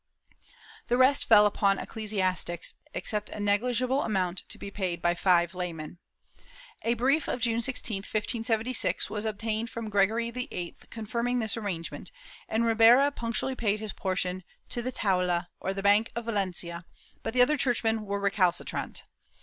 The rest fell upon ecclesiastics, except a neg ligible amount to be paid by five laymen. A brief of Jime 16, 1576, was obtained from Gregory XIII confirming this arrange ment, and Ribera punctually paid his portion into the taula or bank of Valencia, but the other churchmen were recalcitrant.